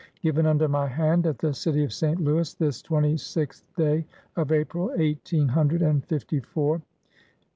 " Given under my hand, at the city of St. Louis, this 26th day of April, eighteen hundred and fifty four.